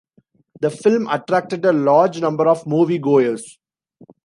The film attracted a large number of movie-goers.